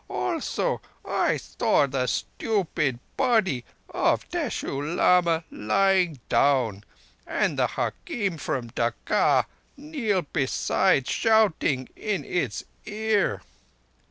Also I saw the stupid body of Teshoo Lama lying down, and the hakim from Dacca kneeled beside, shouting in its ear.